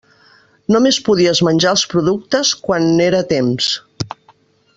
Només podies menjar els productes quan n'era temps.